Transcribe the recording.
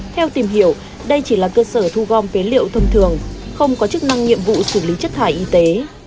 theo tìm hiểu đây chỉ là cơ sở thu gom phế liệu thông thường không có chức năng nhiệm vụ xử lý chất thải y tế